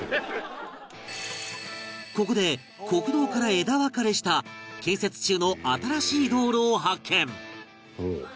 ここで国道から枝分かれした建設中の新しい道路を発見！